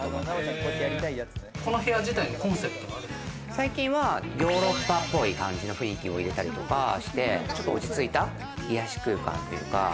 最近はヨーロッパっぽい感じの雰囲気を入れたりとかしてちょっと落ち着いた癒やし空間というか。